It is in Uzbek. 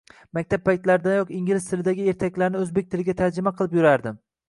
Maktab paytlaridanoq ingliz tilidagi ertaklarni o‘zbek tiliga tarjima qilib yurardim.